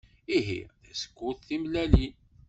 Ihi, tasekkurt timellalin!